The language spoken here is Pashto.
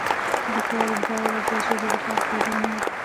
لیکوال باید د ژبې لپاره قرباني ورکړي.